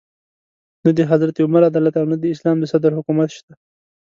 نه د حضرت عمر عدالت او نه د اسلام د صدر حکومت شته.